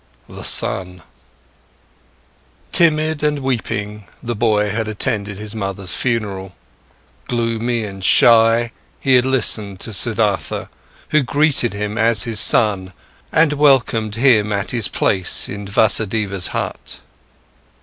THE SON Timid and weeping, the boy had attended his mother's funeral; gloomy and shy, he had listened to Siddhartha, who greeted him as his son and welcomed him at his place in Vasudeva's hut.